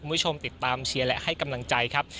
คุณผู้ชมติดตามเชียร์และให้กำลังใจครับ